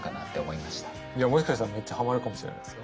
いやもしかしたらめっちゃハマるかもしれないですよ。